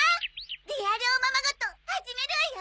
リアルおままごと始めるわよ！